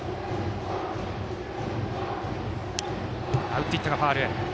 打っていったが、ファウル。